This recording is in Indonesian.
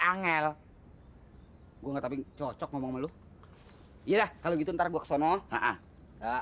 angel hai gue ngapain cocok ngomong lu iya kalau gitu entar gua kesana iya kalau gitu ntar gua kesana